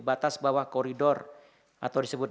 batas bawah koridor atau disebut